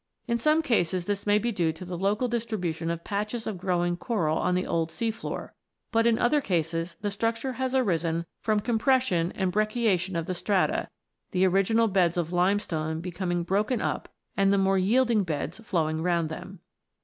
In some cases this may be due to the local distribution of patches of growing coral on the old sea floor; but in other cases the structure has arisen from compression and brecciation of the strata, the original beds of limestone becoming broken up and the more yielding beds flowing round them.